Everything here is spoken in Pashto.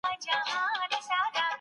تاسي کله له دغي پوهني څخه ګټه واخیستله؟